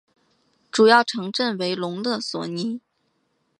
主要城镇为隆勒索涅。